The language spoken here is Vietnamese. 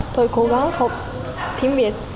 tôi cố gắng học tiếng việt